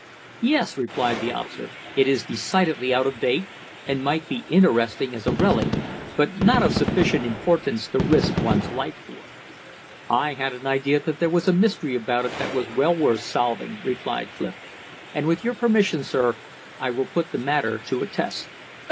"Yes," replied the officer, "it is decidedly out of date, and might be interesting as a relic, but not of sufficient importance to risk one's life for." "I had an idea that there was a mystery about it that was well worth solving," replied Clif. "And with your permission, sir, I will put the matter to a test."